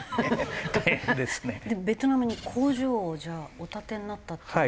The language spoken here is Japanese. ベトナムに工場をじゃあお建てになったっていうのは。